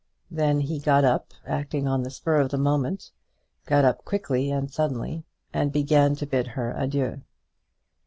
Then he got up, acting on the spur of the moment, got up quickly and suddenly, and began to bid her adieu.